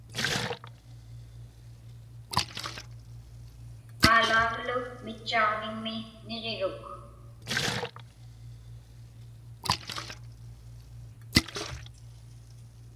Aalaaglu mitchaaġviŋmi niġiruk.